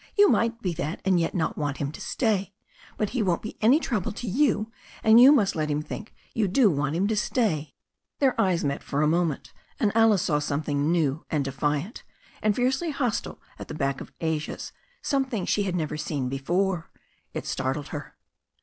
You might be that, and yet not want him to stay. But he won't be any trouble «1 THE STORY OF A NEW ZEALAND RIVER 299 to yovLf and you must let him think you do want him to stay." Their eyes met for a moment, and Alice saw something new and defiant, and fiercely hostile at the back of Asia's, something she had never seen there before. It startled her.